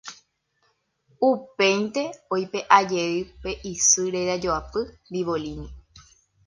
Upéinte oipeʼajey pe isy rerajoapy Bibolini.